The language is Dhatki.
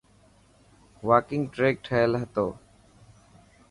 واڪنگ ٽريڪ ٺهيل هتو.